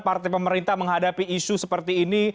partai pemerintah menghadapi isu seperti ini